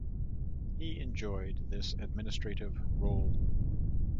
He enjoyed this administrative role.